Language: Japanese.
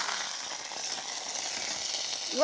うわ！